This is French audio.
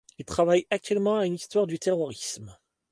Il travaille actuellement à une histoire du terrorisme.